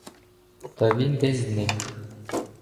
Та він десь зник.